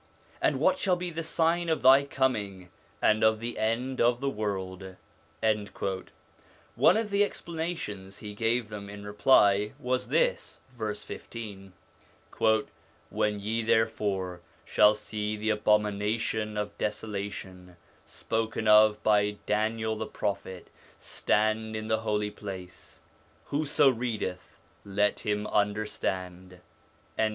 and what shall be the sign of thy coming, and of the end of the world ?' One of the explanations he gave ON THE INFLUENCE OF THE PROPHETS 51 them in reply was this (v. 15): 'When ye therefore shall see the abomination of desolation, spoken of by Daniel the prophet, stand in the holy place (whoso readeth let him understand).'